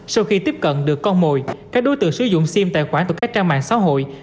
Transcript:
sau khi tiếp cận được con mồi các đối tượng sử dụng sim tài khoản từ các trang mạng xã hội